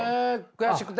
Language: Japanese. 悔しくて。